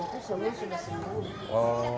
itu sudah sembuh